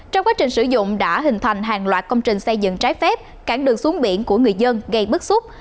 trong quá trình sử dụng đã hình thành hàng loạt công trình xây dựng trái phép cản đường xuống biển của người dân gây bức xúc